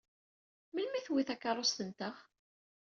Melmi i tewwi takeṛṛust-nteɣ?